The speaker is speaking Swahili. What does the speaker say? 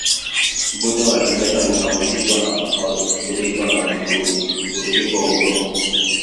Ugonjwa wa kimeta unahusishwa na mafuriko na mvurugiko wa udongo